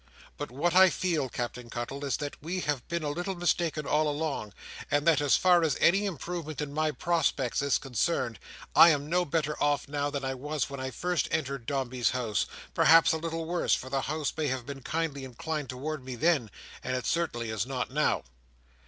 But what I feel, Captain Cuttle, is that we have been a little mistaken all along, and that, so far as any improvement in my prospects is concerned, I am no better off now than I was when I first entered Dombey's House—perhaps a little worse, for the House may have been kindly inclined towards me then, and it certainly is not now."